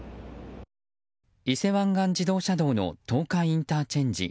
伊勢湾岸自動車道の東海ＩＣ。